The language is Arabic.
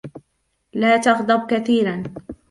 لا تغضب كثيرًا.